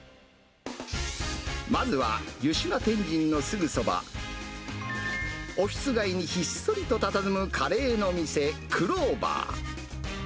まずは、湯島天神のすぐそば、オフィス街にひっそりとたたずむカレーの店、くろーばー。